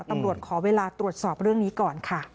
ตำรวจขอเวลาตรวจสอบเรื่องนี้ก่อนค่ะ